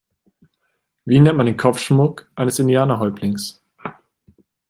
Wie nennt man den Kopfschmuck eines Indianer-Häuptlings?